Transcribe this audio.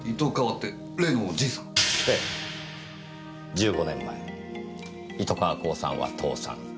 １５年前糸川興産は倒産。